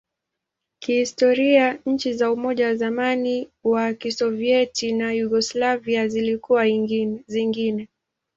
Kihistoria, nchi za Umoja wa zamani wa Kisovyeti na Yugoslavia zilikuwa zingine.